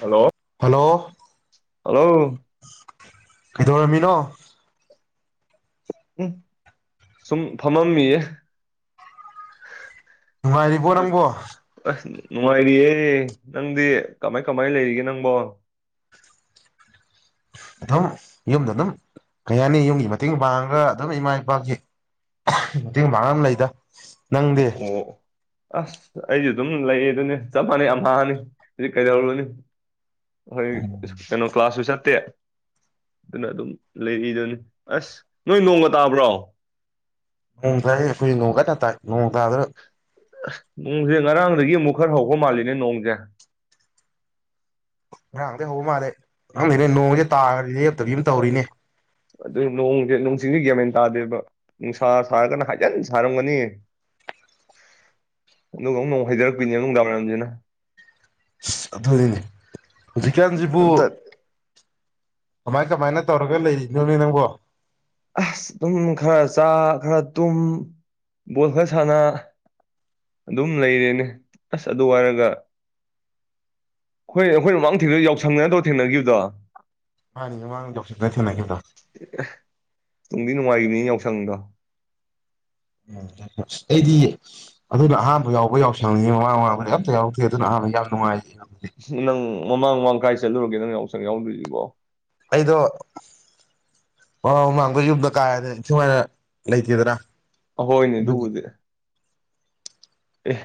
hello hello hello ꯀꯩꯗꯧꯔꯝꯃꯤꯅꯣ ꯎ ꯁꯨꯝ ꯐꯝꯃꯝꯃꯤꯌꯦ ꯅꯨꯡꯉꯥꯏꯔꯤꯕꯣ ꯅꯪꯕꯣ ꯅꯨꯉꯥꯏꯔꯤꯌꯦ ꯅꯪꯗꯤ ꯀꯃꯥꯏ ꯀꯃꯥꯏ ꯂꯩꯔꯤꯒꯦ ꯅꯪꯕꯣ ꯑꯗꯨꯝ ꯌꯨꯝꯗ ꯑꯗꯨꯝ ꯀꯩ ꯍꯥꯏꯅꯤ ꯌꯨꯝꯒꯤ ꯃꯇꯦꯡ ꯄꯥꯡꯉꯒ ꯑꯗꯨꯝ ꯏꯃꯥ ꯏꯄꯥꯀꯤ ꯃꯇꯦꯡ ꯄꯥꯡꯉ ꯑꯝ ꯂꯩꯗ ꯅꯪꯗꯤ ꯑꯣ ꯑꯁ ꯑꯩꯁꯨ ꯑꯗꯨꯝ ꯂꯩꯌꯦ ꯑꯗꯨꯅꯦ ꯆꯞ ꯃꯥꯟꯅꯩ ꯑꯝꯍꯥꯅꯤ ꯍꯨꯖꯤꯛ ꯀꯩꯗꯧꯔꯨꯅꯤ ꯈꯣꯏ ꯀꯩꯅꯣ ꯀ꯭ꯂꯥꯁꯁꯨ ꯆꯠꯇꯦ ꯑꯗꯨꯅ ꯑꯗꯨꯝ ꯂꯩꯔꯤꯗꯨꯅꯤ ꯑꯁ ꯅꯣꯏ ꯅꯣꯡꯒ ꯇꯥꯕ꯭ꯔꯣ ꯅꯣꯡ ꯇꯥꯏ ꯑꯩꯈꯣꯏ ꯅꯣꯡ [unintelligible] ꯇꯥꯏ ꯅꯣꯡ ꯇꯥꯗꯅ ꯑꯁ ꯅꯣꯡꯁꯦ ꯉꯔꯥꯡꯗꯒꯤ ꯑꯃꯨꯛ ꯈꯔ ꯍꯧꯕ ꯃꯥꯜꯂꯤꯅꯦ ꯅꯣꯡꯁꯦ ꯉꯔꯥꯡꯗꯩ ꯍꯧꯕ ꯃꯥꯜꯂꯦ ꯈꯪꯗꯦꯅꯦ ꯅꯣꯡꯁꯦ ꯇꯥꯈ꯭ꯔꯗꯤ ꯂꯦꯞꯇꯕꯤ ꯑꯃ ꯇꯧꯔꯤꯅꯦ ꯑꯗꯨ ꯅꯣꯡꯁꯦ ꯅꯣꯡꯁꯤꯡꯁꯦ ꯒꯌꯥꯃꯦꯟ ꯇꯥꯗꯦꯕ ꯅꯨꯡꯁꯥ ꯁꯒꯅ ꯍꯥꯏ ꯀꯟ ꯁꯥꯔꯝꯒꯅꯤ ꯑꯗꯨꯒ ꯑꯃꯨ ꯍꯩꯊꯔꯛꯄꯤꯅꯦ ꯅꯨꯡꯗꯥꯡ ꯋꯥꯏꯔꯝꯁꯤꯅ ꯑꯁ ꯑꯗꯨꯅꯤꯅꯦ ꯍꯧꯖꯤꯛꯀꯥꯟꯁꯤꯕꯨ ꯑꯝꯇ ꯀꯃꯥꯏ ꯀꯃꯥꯏꯅ ꯇꯧꯔꯒ ꯂꯩꯔꯤ ꯅꯣꯅꯤ ꯅꯪꯕꯣ ꯑꯁ ꯑꯗꯨꯝ ꯈꯔ ꯆꯥ ꯈꯔ ꯇꯨꯝ ꯕꯣꯜ ꯈꯔ ꯁꯥꯟꯅ ꯑꯗꯨꯝ ꯂꯩꯔꯦꯅꯦ ꯑꯁ ꯑꯗꯨ ꯍꯥꯏꯔꯒ ꯈꯣꯏ ꯑꯩꯈꯣꯏꯅ ꯃꯃꯥꯡ ꯊꯦꯡꯅꯥ ꯌꯥꯎꯁꯪ ꯅꯠꯇꯣ ꯊꯦꯡꯅꯒꯤꯕꯗꯣ ꯍꯥꯏꯅꯤ ꯃꯃꯥꯡ ꯌꯥꯎꯁꯪꯗ ꯊꯦꯡꯅꯒꯤꯕꯗꯣ ꯅꯨꯡꯗꯤ ꯅꯨꯉꯥꯏꯒꯤꯕꯅꯤ ꯌꯥꯎꯁꯪꯗꯣ ꯎꯝꯁ ꯑꯩꯗꯤ ꯑꯗꯨꯅ ꯑꯍꯥꯟꯕ ꯌꯥꯎꯕ ꯌꯥꯎꯁꯪꯅꯤꯅꯦ ꯃꯃꯥꯡ ꯃꯃꯥꯡꯗ ꯑꯝꯇ ꯌꯥꯎꯔꯛꯇꯦ ꯑꯗꯨꯅ ꯑꯍꯥꯟꯕꯗ ꯌꯥꯝ ꯅꯨꯡꯉꯥꯏꯒꯤ ꯅꯪ ꯃꯃꯥꯡ ꯃꯃꯥꯡ ꯀꯥꯏ ꯆꯠꯂꯨꯔꯒꯦ ꯅꯪ ꯌꯥꯎꯁꯪ ꯌꯥꯎꯗ꯭ꯔꯤꯖꯤꯕꯣ ꯑꯩꯗꯣ ꯃꯃ ꯃꯃꯥꯡ ꯃꯃꯥꯡꯗꯣ ꯌꯨꯝꯗ ꯀꯥꯍꯦꯟꯅ ꯏꯟꯊꯤꯅꯨꯉꯥꯏꯅ ꯂꯩꯇꯦꯗ꯭ꯅꯥ ꯑꯍꯣꯏꯅꯦ ꯑꯗꯨꯕꯨꯗꯤ ꯑꯦ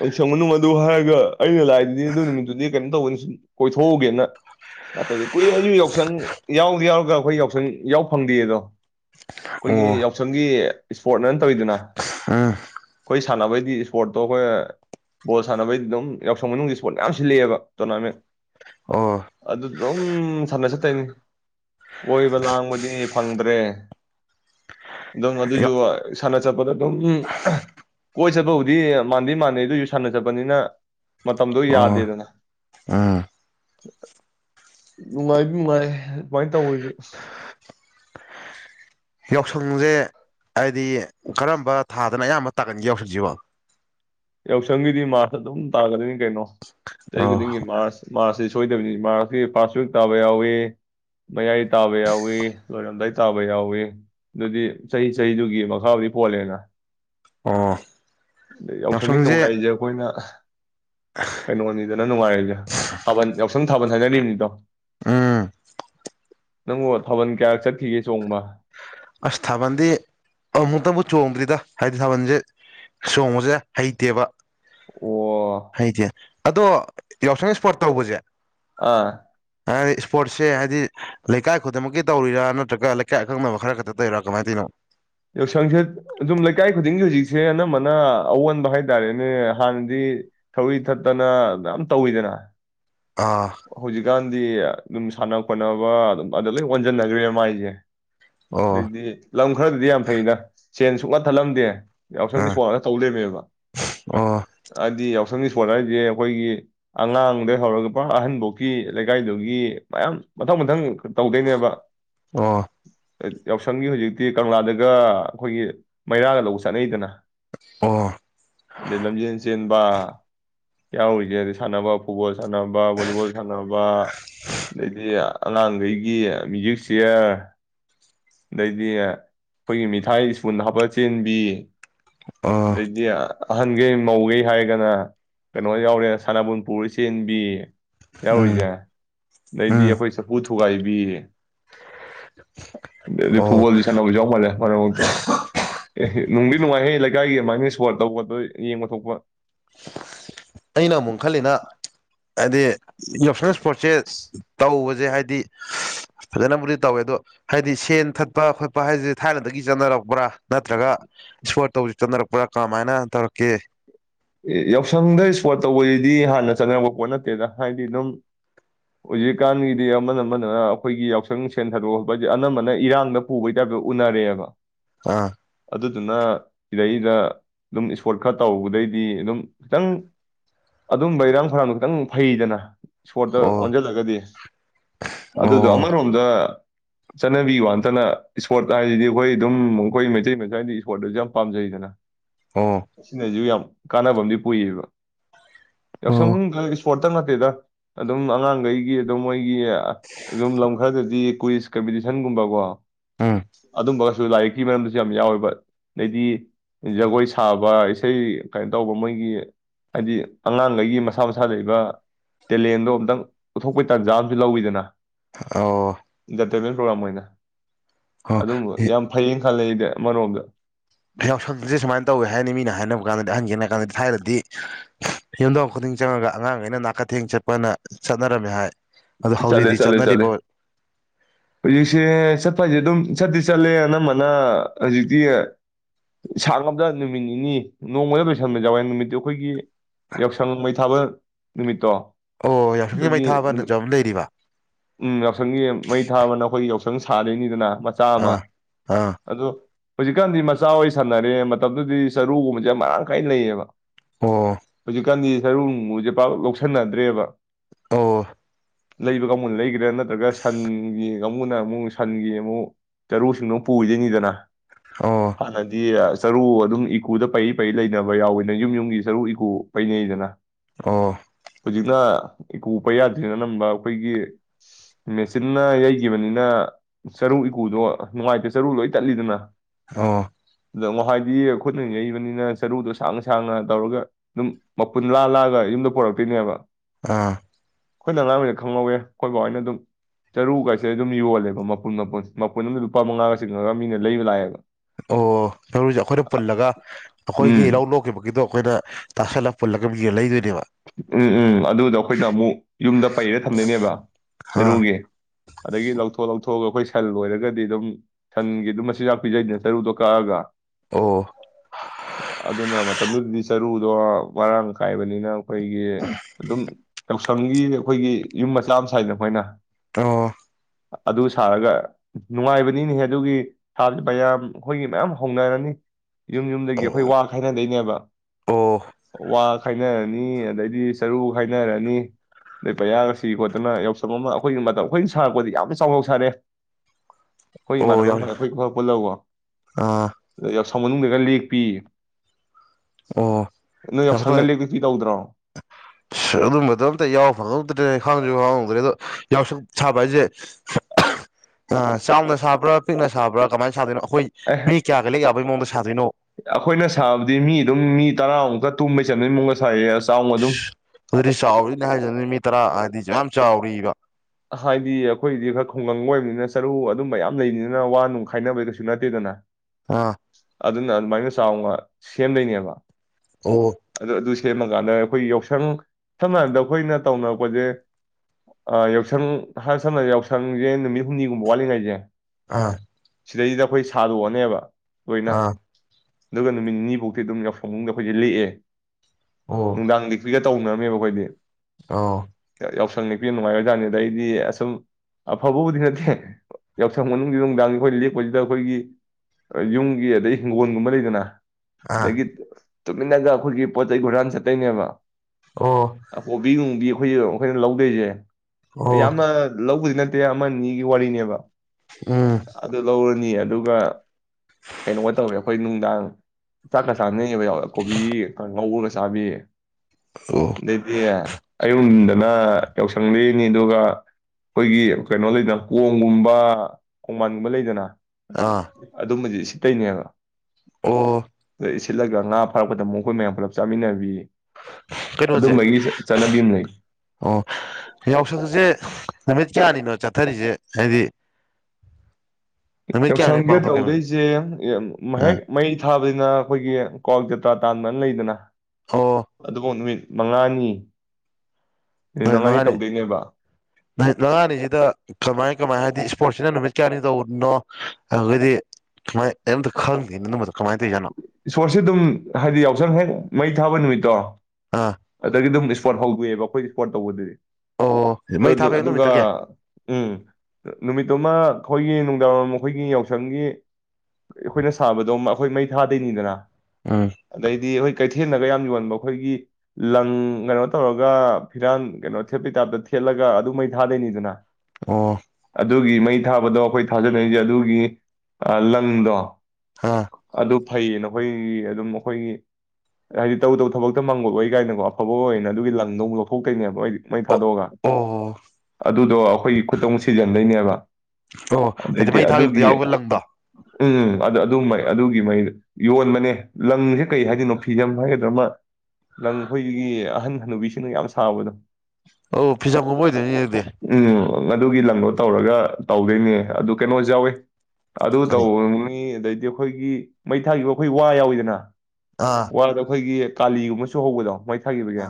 ꯌꯥꯎꯁꯪ ꯃꯅꯨꯡ ꯑꯗꯨ ꯍꯥꯏꯔꯒ ꯑꯩꯅ ꯂꯥꯏꯏꯗꯨꯗꯤ ꯑꯗꯨ ꯅꯨꯃꯤꯠꯇꯨꯗꯤ ꯀꯩꯅꯣ ꯇꯧꯕꯅꯤ ꯀꯣꯏꯊꯣꯛꯎꯒꯦꯅ ꯑꯗꯤ ꯀꯨꯏꯔꯦ ꯑꯩꯁꯨ ꯌꯥꯎꯁꯪ ꯌꯥꯎꯗꯤ ꯌꯥꯎꯔꯒ ꯑꯩꯈꯣꯏ ꯌꯥꯎꯁꯪ ꯌꯥꯎ ꯐꯪꯗꯦꯌꯦ ꯑꯗꯣ ꯑꯩꯈꯣꯏꯒꯤ ꯑꯣ ꯌꯥꯎꯁꯪꯒꯤ ꯏꯁ꯭ꯐꯣꯔꯠꯟ ꯇꯧꯏꯗꯅ ꯎꯝ ꯀꯣꯏꯁ ꯁꯥꯟꯅꯕꯩꯗꯤ ꯏꯁꯄꯣꯔꯠꯇꯣ ꯑꯩꯈꯣꯏ ꯕꯣꯜ ꯁꯥꯟꯅꯕꯩꯗꯤ ꯑꯗꯨꯝ ꯌꯥꯎꯁꯪ ꯃꯅꯨꯡꯒꯤ ꯏꯁꯄꯣꯔꯠ ꯃꯌꯥꯝ ꯁꯤꯜꯂꯤꯑꯕ ꯇꯣꯔꯅꯥꯃꯦꯟ ꯑꯣ ꯑꯗꯨ ꯑꯗꯨꯝ ꯁꯥꯟꯅ ꯆꯠꯇꯣꯏꯅꯤ ꯀꯣꯏꯕ ꯂꯥꯡꯕꯗꯤ ꯐꯪꯗ꯭ꯔꯦ ꯑꯗꯨꯝ ꯑꯗꯨꯁꯨ ꯁꯥꯟꯅ ꯆꯠꯄꯗ ꯑꯗꯨꯝ ꯀꯣꯏ ꯆꯠꯄ ꯗꯤ ꯃꯥꯟꯗꯤ ꯃꯥꯟꯅꯩ ꯑꯗꯣꯏꯁꯨ ꯁꯥꯟꯅ ꯆꯠꯄꯅꯤꯅ ꯃꯇꯝꯗꯣ ꯑꯣ ꯌꯥꯗꯦꯗꯅ ꯎꯝ ꯅꯨꯡꯉꯥꯏ ꯅꯨꯡꯉꯥꯏ ꯑꯗꯨꯃꯥꯏꯅ ꯇꯧꯁꯨ ꯌꯥꯎꯁꯪꯁꯦ ꯍꯥꯏꯗꯤ ꯀꯔꯝꯕ ꯊꯥꯗꯅ ꯑꯌꯥꯝꯕ ꯇꯥꯒꯟꯒꯦ ꯌꯥꯎꯁꯪꯁꯤꯕꯣ ꯌꯥꯎꯁꯪꯒꯤꯗꯤ ꯃꯥꯁ ꯑꯗꯨꯝ ꯇꯥꯒꯗꯣꯏꯅꯤ ꯀꯩꯅꯣ ꯆꯍꯤ ꯑꯣ ꯈꯨꯗꯤꯡꯒꯤ ꯃ꯭ꯥꯔꯁ ꯁꯣꯏꯗꯕꯅꯤ ꯃꯥꯔꯁꯀꯤ ꯐꯥꯔꯁ ꯋꯤꯛ ꯇꯥꯕ ꯌꯥꯎꯏꯤ ꯃꯌꯥꯏ ꯇꯥꯕ ꯌꯥꯋꯤ ꯂꯣꯏꯔꯝꯗꯥꯏ ꯇꯥꯕ ꯌꯥꯎꯋꯤ ꯑꯗꯨꯗꯤ ꯆꯍꯤ ꯆꯍꯤꯗꯨꯒꯤ ꯃꯈꯥꯕꯨꯗꯤ ꯄꯣꯜꯂꯦꯅ ꯑꯣ ꯌꯥꯎꯁꯪꯁꯦ ꯅꯨꯡꯉꯥꯏꯖꯦ ꯑꯩꯈꯣꯏ ꯑ ꯀꯩꯅꯣꯅꯤꯗ [unintelligible] ꯅꯨꯡꯉꯥꯏꯔꯒꯦ ꯊꯥꯕꯜ ꯌꯥꯎꯁꯪ ꯊꯥꯕꯜ ꯍꯥꯏꯅꯔꯤꯅꯤꯗꯣ ꯎꯝ ꯅꯪꯕꯨ ꯊꯥꯕꯜ ꯀꯌꯥꯔꯛ ꯆꯠꯈꯤꯒꯦ ꯆꯣꯡꯕ ꯑꯁ ꯊꯥꯕꯟꯗꯤ ꯑꯃꯨꯛꯇꯪꯕꯨ ꯆꯣꯡꯗ꯭ꯔꯤꯗ ꯍꯥꯏꯗꯤ ꯊꯥꯕꯜꯁꯦ ꯆꯣꯡꯕꯁꯦ ꯍꯩꯇꯦꯕ ꯑꯣ ꯍꯩꯇꯦ ꯑꯗꯣ ꯌꯥꯎꯁꯪ ꯏꯁꯄꯣꯔꯠ ꯇꯧꯕꯁꯦ ꯑꯥ ꯍꯥꯏꯗꯤ ꯏꯁꯄꯣꯔꯠꯁꯦ ꯍꯥꯏꯗꯤ ꯂꯩꯀꯥꯏ ꯈꯨꯗꯤꯡꯃꯛꯀꯤ ꯇꯧꯔꯤꯔꯥ ꯅꯠꯇ꯭ꯔꯒ ꯂꯩꯀꯥꯏ ꯑꯀꯛꯅꯕ ꯈꯔ ꯈꯛꯇ ꯑꯗꯨꯔ ꯀꯃꯥꯏꯇꯅꯣ ꯌꯥꯎꯁꯪꯁꯦ ꯑꯗꯨꯝ ꯂꯩꯀꯥꯏ ꯈꯨꯗꯤꯡꯒꯤ ꯍꯧꯖꯤꯛꯁꯦ ꯑꯅꯝꯕꯅ ꯑꯑꯣꯟꯕ ꯍꯥꯏ ꯇꯔꯦꯅꯦ ꯍꯥꯟꯅꯗꯤ ꯊꯧꯔꯤ ꯊꯠꯇꯅ ꯌꯥꯝ ꯇꯧꯋꯤꯗꯅ ꯑꯣꯥ ꯗꯤ ꯑꯗꯨꯝ ꯁꯥꯟꯅ ꯈꯣꯠꯅꯕ ꯑꯗꯨꯝ ꯑꯗ ꯂꯣꯏ ꯑꯣꯟꯁꯤꯟꯅꯈ꯭ꯔꯦꯕ ꯃꯥꯏꯁꯦ ꯑꯣ ꯑꯗꯨꯩꯗꯤ ꯂꯝ ꯈꯔꯗꯗꯤ ꯌꯥꯝ ꯐꯩꯅ ꯁꯦꯟ ꯁꯨꯛꯅ ꯊꯠꯂꯝꯗꯦ ꯌꯥꯎꯁꯪꯗꯤ ꯑꯥ ꯁꯣꯅ ꯇꯧ ꯂꯩꯃꯦꯕ ꯑꯣ ꯑꯗꯨꯗꯤ ꯌꯥꯎ ꯁꯟ ꯏꯁꯄꯣꯠ ꯍꯥꯏꯔꯤꯁꯦ ꯑꯩꯈꯣꯏꯒꯤ ꯑꯉꯥꯡꯗꯒꯤ ꯍꯧꯔꯒ ꯅꯨꯄꯥ ꯑꯍꯟꯐꯧꯀꯤ ꯂꯩꯀꯥꯏꯗꯨꯒꯤ ꯃꯌꯥꯝ ꯃꯊꯪ ꯃꯊꯪ ꯇꯧꯗꯣꯏꯅꯦꯕ ꯑꯣ ꯌꯥꯎꯁꯪꯒꯤ ꯍꯧꯖꯤꯛꯇꯤ ꯀꯪꯂꯥꯗꯒ ꯑꯩꯈꯣꯏꯒꯤ ꯃꯩꯔꯥꯒ ꯂꯧꯕ ꯆꯠꯅꯩꯗꯅ ꯑꯣ ꯑꯗꯩ ꯂꯝꯖꯦꯟ ꯆꯦꯟ ꯕꯥ ꯌꯥꯎꯔꯤꯁꯦ ꯗꯩ ꯁꯥꯟꯅꯕ ꯐꯨꯠꯕꯣꯜ ꯁꯥꯟꯅꯕ ꯕꯣꯂꯤꯕꯜ ꯁꯥꯟꯅꯕ ꯑꯗꯩꯗꯤ ꯑꯉꯥꯡꯈꯩꯒꯤ ꯃ꯭ꯌꯨꯖꯤꯛ ꯆꯤꯌꯔ ꯑꯗꯩꯗꯤ ꯑꯩꯈꯣꯏꯒꯤ ꯃꯤꯊꯥꯏ ꯏꯁꯄꯨꯟ ꯍꯥꯞꯄ ꯆꯦꯟꯕꯤ ꯑꯣ ꯗꯩꯗꯤ ꯑꯍꯟꯈꯩ ꯃꯧꯈꯩ ꯍꯥꯏꯔꯒꯅ ꯀꯩꯅꯣ ꯌꯥꯎꯔꯦ ꯁꯅꯥꯕꯨꯟ ꯄꯨꯔ ꯆꯦꯟꯕꯤ ꯎꯝ ꯌꯥꯎꯖ ꯎꯝ ꯂꯩꯗꯤꯣꯏ ꯁꯄꯨ ꯊꯨꯒꯥꯏꯕꯤꯌꯦ ꯑꯣ ꯐꯨꯠꯕꯜꯗꯤ ꯁꯥꯟꯅꯕꯁꯨꯎ ꯐꯂꯦ ꯐ ꯑꯦ ꯅꯨꯡꯉꯥꯏꯍꯩ ꯂꯩꯀꯥꯏꯒꯤ ꯑꯗꯨꯃꯥꯏꯅ ꯏꯁꯄꯣꯔꯠ ꯇꯧꯕꯗ ꯌꯦꯡꯕ ꯊꯣꯛꯄ ꯑꯩꯅ ꯑꯃꯨꯛ ꯈꯜꯂꯤꯅ ꯍꯥꯏꯗꯤ ꯌ ꯏꯁꯄꯣꯔꯠꯁꯦ ꯇꯧꯕ ꯁꯦ ꯍꯥꯏꯗꯤ ꯐꯖꯅꯕꯨꯗꯤ ꯇꯧꯋꯦ ꯑꯗꯣ ꯍꯥꯏꯗꯤ ꯁꯦꯟ ꯊꯠꯄ ꯈꯣꯠꯄ ꯍꯥꯏꯁꯦ ꯊꯥꯏꯅꯗꯒꯤ ꯆꯠꯅꯔꯛꯄ꯭ꯔꯥ ꯅꯠꯇ꯭ꯔꯒ ꯏꯁꯄꯣꯔꯠ ꯇꯧꯕꯁꯤ ꯆꯠꯅꯔꯛꯄ꯭ꯔꯥ ꯀꯃꯥꯏꯅ ꯇꯧꯔꯛꯀꯦ ꯌꯥꯎꯁꯪꯗ ꯏꯁꯄꯣꯔꯠ ꯇꯧꯕꯁꯤꯗꯤ ꯍꯥꯟꯅ ꯆꯪꯉꯛꯄ ꯄꯣꯠ ꯅꯠꯇꯦꯗ ꯍꯥꯏꯗꯤ ꯑꯗꯨꯝ ꯍꯧꯖꯤꯛꯀꯥꯟꯒꯤꯗꯤ ꯑꯃꯅ ꯑꯃꯅꯅ ꯑꯩꯈꯣꯏꯒꯤ ꯌꯥꯎꯁꯪ ꯁꯦꯟꯊꯥꯗꯣꯛ ꯈꯣꯠꯄ ꯍꯥꯏꯁ ꯑꯅꯝꯕꯅ ꯏꯔꯥꯡꯗ ꯄꯨꯕꯩ ꯇꯥꯏꯞꯇ ꯎꯅꯔꯦꯕ ꯑꯥ ꯑꯗꯨꯗꯨꯅ ꯁꯤꯗꯩꯗ ꯑꯗꯨꯝ ꯏꯁꯄꯣꯔꯠ ꯈꯔ ꯇꯧꯕꯗꯩ ꯗꯤ ꯑꯗꯨꯝ ꯈꯤꯇꯪ ꯑꯗꯨꯝꯕ ꯏꯔꯥꯡ ꯈꯔꯝꯗꯣ ꯈꯤꯇꯪ ꯐꯩꯗꯅ ꯏꯁꯄꯣꯔꯠꯇ ꯑꯣ ꯑꯣꯟꯁꯤꯜꯂꯒꯗꯤ ꯑꯗꯨꯗꯣ ꯑꯣ ꯑꯃꯔꯣꯝꯗ ꯆꯠꯅꯕꯤ ꯋꯥꯟꯇꯅ ꯏꯁꯄꯣꯔꯠ ꯍꯥꯏꯁꯤꯗꯤ ꯑꯩꯈꯣꯏ ꯑꯗꯨꯝ ꯑꯩꯈꯣꯏ ꯃꯩꯇꯩ ꯃꯇꯩꯗꯤ ꯏꯁꯄꯣꯔꯠꯇꯁꯨ ꯌꯥꯝ ꯄꯥꯝꯖꯩꯗꯅ ꯑꯣ ꯁꯤ ꯅꯖ ꯌꯥꯝꯌꯥꯝ ꯀꯥꯟꯅꯕ ꯑꯝꯗꯤ ꯄꯨꯌꯦꯕ ꯌꯥꯎꯁꯪ ꯑꯣ [unintelligible] ꯏꯁꯄꯣꯔꯠꯇ ꯅꯠꯇꯦꯗ ꯑꯗꯨꯝ ꯑꯉꯥꯡꯈꯩꯒꯤ ꯑꯗꯨꯝ ꯃꯣꯏꯒꯤ ꯑꯗꯨꯝ ꯂꯝ ꯈꯔꯗꯗꯤ ꯀꯨꯏꯁ ꯀꯝꯄꯤꯇꯤꯁꯟꯒꯨꯝꯕꯀꯣ ꯎꯝ ꯑꯗꯨꯝ ꯁꯨ ꯂꯥꯏꯔꯤꯛꯀꯤ ꯃꯔꯝꯗꯁꯨ ꯌꯥꯝ ꯌꯥꯎꯋꯦꯕ ꯑꯗꯩꯗꯤ ꯖꯒꯣꯏ ꯁꯥꯕ ꯏꯁꯩ ꯀꯩꯅꯣ ꯇꯧꯕ ꯃꯣꯏꯒꯤ ꯍꯥꯏꯗꯤ ꯑꯉꯥꯡꯈꯩꯒꯤ ꯃꯁꯥ ꯃꯁꯥ ꯂꯩꯕ ꯇꯦꯂꯦꯟꯗꯣ ꯑꯝꯇꯪ ꯎꯠꯊꯣꯛꯄꯩ ꯇꯥꯟꯖꯥ ꯑꯃꯁꯨ ꯂꯧꯋꯤꯗꯅ ꯑꯣ [unintelligible] ꯇꯦꯟꯃꯦꯟ ꯄ꯭ꯔꯣꯒꯥꯝ ꯑꯣꯏꯅ ꯑꯣ ꯑꯗꯨꯝꯕ ꯌꯥꯝ ꯐꯩ ꯈꯜꯂꯛꯏꯗ ꯃꯅꯣꯝꯗ ꯌꯥꯎꯁꯪꯁꯦ ꯁꯨꯃꯥꯏꯅ ꯇꯧꯋꯤ ꯍꯥꯏꯅ ꯃꯤꯅ ꯍꯥꯏꯅꯕ [inaudible] ꯌꯨꯝꯊꯣꯡ ꯈꯨꯗꯤꯡ ꯆꯪꯉꯒ ꯑꯉꯥꯡꯈꯩꯅ ꯅꯥꯀꯊꯦꯡ ꯆꯠꯄꯅ ꯆꯠꯅꯔꯝꯃꯦ ꯍꯥꯏ ꯑꯗꯣ ꯆꯂꯦ ꯍꯧꯖꯤꯛꯇꯤ ꯆꯂ ꯆꯂ ꯆꯠꯅꯔꯤꯕ ꯑꯩꯁꯦ ꯁ ꯁꯋꯥꯏꯁꯦ ꯑꯗꯨꯝ ꯆꯠꯇꯤ ꯆꯠꯂꯦ ꯑꯅꯝꯕꯅ ꯍꯧꯖꯤꯛꯇꯤ ꯁꯥꯡꯉꯗ ꯅꯨꯃꯤꯠ ꯅꯤꯅꯤ ꯅꯣꯡꯃꯗ ꯂꯣꯏꯁꯟꯕ ꯌꯥꯎꯋꯦ ꯅꯨꯃꯤꯠꯇꯨ ꯑꯩꯈꯣꯏꯒꯤ ꯌꯥꯎꯁꯪ ꯃꯩ ꯊꯥꯕ ꯅꯨꯃꯤꯠꯇꯣ ꯑꯣ ꯑꯗꯨꯒꯤ ꯅꯨꯃꯤꯠ [unintelligible] ꯎꯝ ꯌꯥꯎꯁꯪꯒꯤ ꯃꯩ ꯊꯥꯕꯅ ꯑꯩꯈꯣꯏ ꯌꯥꯎꯁꯪ ꯁꯪ ꯁꯥꯗꯩꯅꯤꯗꯅ ꯃꯆꯥ ꯑꯃ ꯑꯥ ꯑꯥ ꯑꯗꯨ ꯍꯧꯖꯤꯛꯀꯥꯟꯗꯤ ꯃꯆꯥ ꯑꯣꯏ ꯁꯥꯟꯅꯔꯦ ꯃꯇꯝꯗꯨꯗꯤ ꯆꯔꯨꯒꯨꯝꯕꯁꯦ ꯌꯥꯝ ꯃꯔꯥꯡꯈꯥꯏꯅ ꯂꯩꯌꯦꯕ ꯑꯣ ꯀꯟꯗꯤ ꯁꯔꯨ ꯒꯨꯝꯕꯁꯦ ꯄꯥꯛ ꯂꯧꯁꯟꯅꯗ꯭ꯔꯦꯕ ꯑꯣ ꯂꯩꯕ ꯀꯥꯡꯕꯨꯨꯅ ꯂꯩꯈ꯭ꯔꯦ ꯅꯠ ꯑꯗꯒ ꯁꯟꯒꯤ ꯀꯥꯡꯕꯨꯨꯅ ꯑꯃꯨꯛ ꯁꯟꯒꯤ ꯑꯃꯨꯛ ꯆꯔꯨꯁꯤꯡꯗꯨ ꯑꯃꯨꯛ ꯄꯨꯒꯤꯗꯣꯏꯅꯤꯗꯅ ꯑꯣ ꯍꯥꯟꯅꯗꯤ ꯆꯔꯨ ꯑꯗꯨꯝ ꯏꯀꯨꯗ ꯄꯩ ꯄꯩ ꯂꯩꯅꯕ ꯌꯥꯎꯕꯅꯤ ꯌꯨꯝ ꯌꯨꯝꯒꯤ ꯆꯔꯨ ꯏꯀꯨ ꯄꯩꯅꯩꯗꯅ ꯑꯣ ꯍꯧꯖꯤꯛꯅ ꯏꯀꯨ ꯄꯩ ꯌꯥꯗ꯭ꯔꯤꯅꯦ ꯅꯝꯕ ꯑꯩꯈꯣꯏꯒꯤ ꯃꯦꯆꯤꯟꯅ ꯌꯩꯈꯤꯕꯅꯤꯅ ꯆꯔꯨ ꯏꯀꯨꯗꯣ ꯅꯨꯡꯉꯥꯏꯇ ꯆꯔꯨ ꯂꯣꯏ ꯇꯠꯂꯤꯗꯅ ꯑꯣ ꯑꯗꯣ ꯅꯥꯍꯟꯋꯥꯏꯗꯤ ꯏꯈꯨꯠꯅ ꯌꯩꯕꯅꯤꯅ ꯆꯔꯨꯗꯣ ꯁꯥꯡꯅ ꯁꯥꯡꯅ ꯇꯧꯔꯒ ꯑꯗꯨꯝ ꯃꯄꯨꯟ ꯂꯥꯛꯑ ꯂꯥꯛꯑꯒ ꯌꯨꯝꯗ ꯄꯨꯔꯛꯇꯣꯏꯅꯦꯕ ꯑꯥ ꯑꯩꯈꯣꯏ ꯑꯉꯥꯡ ꯈꯪꯍꯧꯋꯦ ꯑꯩꯈꯣꯏ ꯕꯥꯥ ꯑꯣꯏꯅ ꯑꯗꯨꯝ ꯆꯔꯨꯒꯥꯏꯁꯦ ꯑꯗꯨꯝ ꯌꯣꯜꯂꯦꯕ ꯃꯄꯨꯟ ꯃꯄꯨꯟ ꯃꯄꯨꯟ ꯑꯃꯝꯗ ꯂꯨꯄꯥ ꯃꯉꯥꯒ ꯆꯤꯡꯉꯒ ꯃꯤꯅ ꯂꯩꯕ ꯂꯥꯛꯑꯦꯕ ꯑꯣ ꯆꯔꯨꯁꯦ ꯑꯩꯈꯣꯏꯅ ꯑ- ꯄꯨꯜꯂꯒ ꯎꯝ ꯑꯩꯈꯣꯏꯒꯤ ꯂꯧ ꯂꯣꯛꯈꯤꯕꯒꯤꯗꯣ ꯑꯩꯈꯣꯏꯅ ꯇꯥꯁꯜꯂ ꯄꯨꯜꯂꯒ ꯌꯦ ꯂꯩꯏꯗꯣꯏ ꯎꯝ ꯎꯝ ꯑꯗꯨꯗꯣ ꯑꯩꯈꯣꯏꯅ ꯑꯃꯨꯛ ꯌꯨꯝꯗ ꯄꯩꯔ ꯊꯝꯅꯣꯏꯅꯦꯕ ꯑꯥ ꯆꯔꯨꯒꯤ ꯑꯗꯒꯤ ꯂꯧꯊꯣꯛ ꯂꯧꯊꯣꯛ ꯍꯣꯏ ꯍꯣꯏ ꯑꯩꯈꯣꯏ ꯁꯟ ꯂꯣꯏꯔꯒꯗꯤ ꯑꯗꯨꯝ ꯁꯟꯒꯤ ꯑꯗꯨꯝ ꯃꯆꯤꯟꯖꯥꯛ ꯄꯤꯖꯩꯗꯅ ꯆꯔꯨꯗꯣ ꯀꯛꯑꯒ ꯑꯣ ꯑꯗꯨꯅ ꯃꯇꯝꯗꯨ ꯗꯗꯤ ꯆꯔꯨꯗꯣ ꯃꯔꯥꯡ ꯀꯥꯏꯕꯅꯤꯅ ꯑꯩꯈꯣꯏꯒꯤ ꯑꯗꯨꯝ ꯌꯥꯎꯁꯪꯒꯤ ꯑꯩꯈꯣꯏꯒꯤ ꯌꯨꯝ ꯃꯆꯥ ꯑꯃ ꯁꯥꯏꯗ ꯑꯩꯈꯣꯏꯅ ꯑꯣ ꯑꯗꯨ ꯁꯥꯔꯒ ꯅꯨꯡꯉꯥꯏꯕꯅꯤꯍꯦ ꯑꯗꯨꯒꯤ ꯁꯥ ꯄꯌꯥ ꯑꯩꯈꯣꯏꯒꯤ ꯃꯌꯥꯝ ꯍꯧꯅꯔꯅꯤ ꯌꯨꯝ ꯌꯨꯝꯗꯒꯤ ꯑꯩꯈꯣꯏ ꯋꯥ ꯈꯥꯏꯅꯗꯣꯏꯅꯦꯕ ꯑꯣ ꯋꯥ ꯈꯥꯏꯅ ꯅꯤ ꯑꯗꯩꯗꯤ ꯆꯔꯨ ꯈꯥꯏꯅꯔꯛꯑꯅꯤ ꯑꯗꯩ ꯄꯌꯥꯒ ꯁꯤ ꯈꯣꯠꯇꯅ ꯌꯥꯎꯁꯪ ꯑꯃ ꯑꯩꯈꯣꯏꯒꯤ ꯃꯇꯝ ꯑꯩꯈꯣꯏꯅ ꯁꯥꯔꯛꯄꯗꯤ ꯌꯥꯝꯅ ꯆꯥꯎꯅ ꯁꯥꯔꯦ ꯑꯩꯈꯣꯏ ꯑꯣ ꯏꯃꯥꯟꯅꯕ ꯌꯥꯎ ꯑꯃ ꯑꯩꯈꯣꯏ ꯈꯔ ꯄꯨꯜꯂꯒ ꯑꯥ ꯌꯥꯎꯁꯪ ꯃꯅꯨꯡꯗꯒ ꯂꯦꯛꯄꯤ ꯑꯣ ꯅꯣꯏ ꯌꯥꯎꯁꯪꯒ ꯌꯥꯎꯁꯪ ꯂꯦꯛ ꯄꯤꯇꯧꯗ꯭ꯔꯣ ꯑꯗꯨꯝꯕꯗꯣ ꯑꯝꯇ ꯌꯥꯎꯕ ꯐꯪꯍꯧꯗ꯭ꯔꯦ ꯈꯪꯗ꯭ꯔꯦ ꯌꯥꯎꯔꯝꯒꯅꯤ ꯑꯗꯣ ꯌꯥꯎꯁꯪ ꯁꯥꯕ ꯍꯥꯏꯁꯦ ꯆꯥꯎꯅ ꯁꯥꯕ꯭ꯔꯥ ꯄꯤꯛꯅ ꯁꯥꯕ꯭ꯔꯥ ꯀꯃꯥꯏꯅ ꯁꯥꯗꯣꯏꯅꯣ ꯑꯩꯈꯣꯏ ꯑꯦ ꯃꯤ ꯀꯌꯥꯒ ꯂꯦꯛ ꯌꯥꯕꯒꯤ ꯃꯑꯣꯡꯗ ꯁꯥꯗꯣꯏꯅꯣ ꯑꯩꯈꯣꯏꯅ ꯁꯥꯕꯗꯤ ꯃꯤ ꯑꯗꯨꯝ ꯃꯤ ꯇꯔꯥꯃꯨꯛꯇ ꯇꯨꯝꯕꯩ ꯆꯟꯕꯩ ꯃꯑꯣꯡꯒ ꯁꯥꯏꯌꯦ ꯆꯥꯎꯅ ꯑꯗꯨꯝ ꯑꯗꯨꯗꯤ ꯆꯥꯎꯔꯤꯅꯦ ꯍꯥꯏꯗꯣ ꯃꯤ ꯇꯔꯥ ꯍꯥꯏꯗꯤ ꯌꯥꯝ ꯆꯥꯎꯔꯤ ꯌꯥ ꯍꯥꯏꯗꯤ ꯑꯩꯈꯣꯏꯗꯤ ꯈꯔ ꯈꯨꯡꯒꯪ ꯑꯣꯏꯕꯅꯤꯅ ꯆꯔꯨ ꯑꯗꯨꯝ ꯃꯌꯥꯝ ꯂꯩꯕꯅꯤꯅ ꯋꯥ ꯅꯨꯡ ꯈꯥꯏꯅꯕꯩ ꯀꯩꯁꯨ ꯅꯠꯇꯦꯗꯅ ꯑꯥ ꯑꯗꯨꯅ ꯑꯗꯨꯃꯥꯏꯅ ꯆꯥꯎꯅ ꯁꯦꯝꯗꯣꯏꯅꯦꯕ ꯑꯣ ꯑꯗꯨ ꯑꯗꯑꯣꯏꯁꯨ ꯁꯦꯝꯃ ꯀꯥꯟꯗ ꯑꯩꯈꯣꯏ ꯌꯥꯎꯁꯪ ꯁꯝꯅ ꯍꯥꯏꯔꯕꯗ ꯑꯩꯈꯣꯏꯅ ꯇꯧꯅꯔꯛꯄꯁꯦ ꯑꯥ ꯌꯥꯎꯁꯪ ꯁꯪ ꯍꯥ ꯁꯝꯅꯎ ꯁꯪꯁꯦ ꯅꯨꯃꯤꯠ ꯍꯨꯝꯅꯤꯒꯨꯝꯕ ꯋꯥꯠꯂꯤꯉꯥꯏꯁꯦ ꯑꯥ ꯁꯤꯗꯩꯁꯤꯗ ꯑꯩꯈꯣꯏ ꯁꯥꯗꯣꯛꯑꯅꯦꯕ ꯂꯣꯏꯅ ꯑꯥ ꯑꯗꯨꯒ ꯅꯨꯃꯤꯠ ꯅꯤꯐꯥꯎꯗꯤ ꯑꯗꯨꯝ ꯌꯥꯎꯁꯥꯪ ꯃꯅꯨꯡꯗ ꯑꯩꯈꯣꯏꯁꯦ ꯂꯦꯛꯑꯦ ꯅꯨꯡꯗꯥꯡ ꯂꯦꯛꯄꯤꯒ ꯇꯧꯅꯔꯝꯅꯦꯕ ꯑꯩꯈꯣꯏꯗꯤ ꯑꯎ ꯌꯥꯎꯁꯪ ꯅꯨꯄꯤ ꯉꯥꯏꯕꯖꯥꯅꯤꯗ ꯑꯗꯩꯗꯤ ꯑꯁꯨꯝ ꯑꯐꯕꯕꯨꯗꯤ ꯅꯠꯇꯦ ꯌꯥꯎꯁꯪ ꯃꯅꯨꯡꯒꯤ ꯅꯨꯡꯗꯥꯡꯒꯤ ꯑꯩꯈꯣꯏ ꯂꯦꯛꯄꯁꯤꯗ ꯑꯩꯈꯣꯏꯒꯤ ꯌꯨꯝꯒꯤ ꯑꯗꯩ ꯍꯤꯡꯒꯣꯜꯒꯨꯝꯕ ꯂꯩꯗꯅ ꯑꯥ ꯑꯗꯒꯤ ꯇꯨꯃꯤꯟꯅꯒ ꯑꯩꯈꯣꯏꯒꯤ ꯄꯣꯠ ꯆꯩꯩ ꯍꯨꯔꯥꯟ ꯆꯠꯇꯣꯏꯅꯦꯕ ꯑꯣ ꯀꯣꯕꯤ ꯅꯨꯡꯕꯤ ꯑꯩꯈꯣꯏꯁꯨ ꯑꯩꯈꯣꯏꯅ ꯂꯧꯗꯣꯏꯁꯦ ꯑꯣ ꯌꯥꯝꯅ ꯂꯧ ꯅꯠꯇꯦ ꯑꯃꯅꯤꯒꯤ ꯋꯥꯔꯤꯅꯦꯕ ꯎꯝ ꯑꯗꯨ ꯂꯧꯔꯅꯤ ꯑꯗꯨꯒ ꯀꯩꯅꯣꯒ ꯇꯧꯋꯦ ꯑꯩꯈꯣꯏ ꯅꯨꯡꯗꯥꯡ ꯆꯥꯛꯀ ꯆꯥꯅꯉꯦꯕ ꯌꯥꯎꯋ ꯀꯣꯕꯤ ꯉꯧꯒ ꯆꯥꯕꯤ ꯑꯣ ꯗꯩꯗꯤ ꯑꯌꯨꯛ ꯅꯨꯡꯊꯤꯟ ꯅ ꯌꯥꯎꯁꯪꯗꯤ ꯅꯤ ꯑꯗꯨꯒ ꯑꯩꯈꯣꯏꯒꯤ ꯀꯩꯅꯣ ꯂꯩꯗꯅ ꯀꯣꯝꯒꯨꯝꯕ ꯈꯣꯡꯕꯥꯟꯒꯨꯝꯕ ꯂꯩꯗꯅ ꯑꯥ ꯑꯗꯨꯃꯕꯖꯦ ꯢꯁꯤꯡ ꯇꯩꯅꯦꯕ ꯑꯣ ꯁꯤꯠꯂꯒ ꯉꯥ ꯐꯥꯔꯛꯄꯗ ꯑꯃꯨꯛꯈꯣꯏ ꯃꯌꯥꯝ ꯄꯨꯂꯞ ꯆꯥꯃꯤꯟꯅꯕꯤ ꯀꯩꯅꯣꯁꯦ ꯑꯗꯨꯝꯕꯒꯤ ꯆꯠꯅꯕꯤ ꯑꯃ ꯂꯩ ꯑꯣ ꯌꯥꯎꯁꯪ ꯖꯦꯅꯨꯃꯤꯠ ꯀꯌꯥꯅꯤ ꯀꯩꯅꯣ ꯆꯠꯊꯔꯤꯁꯦ ꯍꯥꯏꯗꯤ ꯅꯨꯃꯤꯠ ꯀꯌꯥꯅꯤ ꯌꯥꯎꯁꯡꯖꯦ ꯄꯥꯡꯊꯣꯛꯀꯦ ꯍꯧꯖꯤꯛ ꯇꯧꯗꯣꯏꯖꯦ ꯍꯦꯛ ꯑ ꯃꯩ ꯊꯥꯕꯩ ꯑꯩꯈꯣꯏꯒꯤ ꯀ꯭ꯋꯥꯛ ꯖꯇ꯭ꯔꯥ ꯇꯥꯟꯕꯅ ꯂꯩꯗꯅ ꯑ ꯑꯣ ꯑꯗꯨꯃꯕ ꯅꯨꯃꯤꯠ ꯃꯉꯥꯅꯤ ꯅꯨꯃꯤꯠ ꯃꯉꯥꯅꯤ ꯅꯨꯃꯤꯠ ꯃꯉꯥꯅꯤꯁꯤꯗ ꯀꯃꯥꯏ ꯀꯃꯥꯏ ꯍꯥꯏꯗꯤ ꯄꯣꯔꯠꯁꯤꯅ ꯅꯨꯃꯤꯠ ꯀꯌꯥꯅꯤ ꯇꯧꯕꯅꯣ ꯑꯗꯨꯗꯤ ꯁꯨꯃꯥꯏꯅ ꯑꯝꯇ ꯈꯪꯗꯦꯅ ꯏꯁꯄꯣꯔꯠꯁꯦ ꯑꯗꯨꯝ ꯍꯥꯏꯗꯤ ꯌꯥꯎꯁꯪ ꯃꯩ ꯊꯥꯕ ꯅꯨꯃꯤꯠꯇꯣ ꯑꯥ ꯑꯗꯒꯤ ꯗꯨꯝ ꯁꯄꯣꯔꯠ ꯍꯧꯗꯔ꯭ꯤꯌꯦꯕ ꯑꯩꯈꯣꯏꯒꯤ ꯁꯄꯣꯔꯠ ꯇꯧꯕꯗꯨꯗꯤ ꯑꯣ ꯃꯩ ꯑꯗꯨ ꯊꯥꯕ ꯍꯦꯛ ꯑꯗꯨꯒ ꯅꯨꯃꯤꯠꯇꯒꯤ ꯎꯝ ꯅꯨꯃꯤꯠꯇꯨꯃ ꯑꯩꯈꯣꯏꯒꯤ ꯑꯝ ꯃꯈꯣꯏꯒꯤ ꯌꯥꯎꯁꯪꯒꯤ ꯑꯩꯈꯣꯏꯅ ꯁꯥꯕꯗꯣ ꯑꯩꯈꯣꯏ ꯃꯩ ꯊꯥꯗꯨꯏꯅꯤꯗꯅ ꯎꯝ ꯑꯗꯩꯩꯗꯤ ꯍꯣꯏ ꯀꯩꯊꯦꯜꯗꯒ ꯌꯥꯝ ꯌꯣꯟꯕ ꯑꯩꯈꯣꯏꯒꯤ ꯂꯪ ꯀꯩꯅꯣ ꯇꯧꯔꯒ ꯐꯤꯔꯥꯟ ꯀꯩꯅꯣ ꯊꯦꯠꯄꯩ ꯇꯥꯏꯞꯇ ꯊꯦꯠꯂꯒ ꯑꯗꯨ ꯃꯩ ꯊꯥꯗꯣꯏꯅꯤꯗꯅ ꯑꯣ ꯑꯗꯨꯒꯤ ꯃꯩ ꯊꯥꯕꯗꯣ ꯑꯩꯈꯣꯏ ꯊꯥꯖꯅꯔꯤꯁꯦ ꯑꯗꯨꯒꯤ ꯂꯪꯗꯣ ꯍꯥꯥ ꯑꯗꯨ ꯐꯩꯌꯦꯅ ꯑꯩꯈꯣꯏꯒꯤ ꯑꯗꯨꯝ ꯑꯩꯈꯣꯏꯒꯤ ꯍꯥꯏꯗꯤ ꯇꯧ ꯇꯧ ꯊꯕꯛꯇ ꯃꯪꯒꯣꯜ ꯑꯣꯏ ꯀꯥꯏꯅꯀꯣ ꯑꯐꯕ ꯑꯣꯏ ꯑꯣꯏꯅ ꯑꯗꯨꯒꯤ ꯂꯪꯗꯣ ꯑꯃꯨꯛ ꯂꯧꯊꯣꯛꯇꯣꯏꯅꯦꯕ ꯍꯥꯏꯗꯤ ꯑꯣ ꯊꯥꯗꯣꯛꯑꯒ ꯑꯣ ꯑꯗꯨꯗꯣ ꯑꯩꯈꯣꯏꯒꯤ ꯈꯨꯠꯇ ꯑꯃꯨꯛ ꯁꯤꯖꯟꯗꯣꯏꯅꯦꯕ ꯑꯣ ꯍꯥꯏꯗꯤ ꯑꯗꯩꯗꯤ ꯃꯩ ꯊꯥꯈꯤꯕꯗ ꯑꯗꯨꯒꯤ ꯌꯥꯎꯕ ꯂꯪꯗ ꯎꯝ ꯑꯗꯨ ꯑꯗꯨ ꯃꯩ ꯑꯗꯨꯒꯤ ꯃꯩꯗ ꯌꯣꯟꯕꯅꯦ ꯂꯪꯁꯦ ꯀꯩ ꯍꯥꯏꯗꯣꯏꯅꯣ ꯐꯤꯖꯝ ꯍꯥꯏꯒꯗ꯭ꯔ ꯑꯃ ꯂꯪ ꯑꯩꯈꯣꯏꯒꯤ ꯑꯍꯟ ꯍꯅꯨꯕꯤꯁꯤꯡꯅ ꯌꯥꯝ ꯁꯥꯕꯗꯣ ꯑꯧ ꯐꯤꯖꯝꯒꯨꯝꯕ ꯑꯣꯏꯗꯣꯏꯅꯤ ꯑꯗꯨꯗꯤ ꯎꯝ ꯑꯗꯨꯒꯤ ꯂꯪꯗꯣ ꯇꯧꯔꯒ ꯇꯧꯗꯣꯏꯅꯦ ꯑꯗꯨ ꯀꯩꯅꯣꯁꯨ ꯌꯥꯎꯏ ꯑꯗꯨ ꯀꯔꯤ ꯇꯧꯅꯤ ꯑꯗꯩ ꯑꯩꯈꯣꯏꯒꯤ ꯃꯩ ꯊꯥꯈꯤꯕ ꯑꯩꯈꯣꯏ ꯋꯥ ꯌꯥꯎꯋꯤꯗꯅ ꯑꯥ ꯋꯥꯗ ꯑꯩꯈꯣꯏꯒꯤ ꯀꯥꯂꯤꯒꯨꯝꯕ ꯆꯨꯍꯧꯕꯗꯣ ꯃꯩ ꯊꯥ ꯊꯥꯈꯤꯕꯒꯤ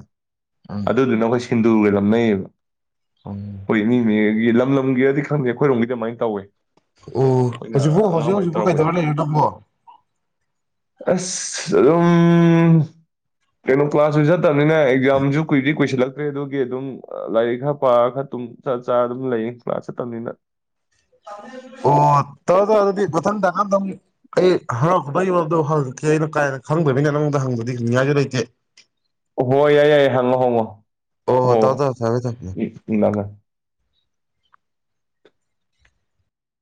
ꯎꯝ ꯑꯗꯨꯗꯨꯅ ꯈꯣꯏ ꯁꯤꯟꯗꯨꯔꯒ ꯅꯝꯅꯩꯕ ꯎꯝ ꯍꯣꯏ ꯃꯤ [unintelligible] ꯂꯝ ꯂꯝꯒꯤꯔꯗꯤ ꯈꯪꯗꯦ ꯑꯩꯈꯣꯏꯔꯣꯝꯒꯤꯗꯤ ꯑꯗꯨꯃꯥꯏꯅ ꯇꯧꯋꯦ ꯑꯣ ꯑꯩꯈꯣꯏꯅ ꯍꯧꯖꯤꯛꯄꯣ ꯑꯉꯥꯡ ꯍꯧꯖꯤꯛ ꯑꯣꯏꯔꯤꯉꯩ ꯍꯧꯖꯤꯛꯄꯣ ꯀꯩꯗꯧꯔ ꯇꯧꯔꯛꯄꯁꯦ ꯂꯩꯔꯤꯅꯣ ꯅꯪꯕꯣ [unintelligible] ꯑꯁ ꯑꯗꯨꯝ ꯀꯩꯅꯣ ꯀꯂ꯭ꯥꯁꯁꯨ ꯆꯠ ꯇꯕꯅꯤꯅ ꯑꯦꯛꯖꯥꯝꯁꯨ ꯀꯨꯏꯗꯤ ꯀꯨꯏꯁꯤꯜꯂꯛ ꯆꯠꯇ꯭ꯔꯦ ꯑꯗꯨꯒꯤ ꯑꯗꯨꯝ ꯂꯥꯏꯔꯤꯛ ꯈꯔ ꯄꯥꯔ ꯈꯔ ꯇꯨꯝ ꯆꯠ ꯆꯥꯔ ꯑꯗꯨꯝ ꯂꯩ ꯀ꯭ꯂꯥꯁ ꯆꯠꯇꯕꯅꯤꯅ ꯑꯣ ꯇꯧꯔꯣ ꯇꯧꯔꯣ ꯑꯗꯨꯗꯤ ꯃꯊꯪꯗꯀꯥꯟꯗ ꯑꯩ ꯍꯔꯛꯗ ꯌꯗꯣ ꯍꯪꯉꯛꯀꯦ ꯑꯩꯅ ꯀꯥꯏꯅ ꯈꯪꯗꯣꯏꯅꯤ ꯅꯉꯣꯟꯗ ꯍꯪꯕꯗꯤ ꯍꯪꯅꯤꯡꯉꯥꯏꯁꯨ ꯂꯩꯇꯦ ꯍ ꯌꯥꯏ ꯌꯥꯏ ꯍꯪꯉꯣ ꯍꯡꯉꯣ ꯑꯣ ꯇꯗ ꯊꯔꯦ ꯊꯅꯦ ꯎꯝ